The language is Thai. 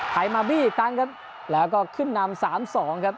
ถ่ายมาไปอีกรั้งครับแล้วก็ขึ้นนำ๓๒ครับ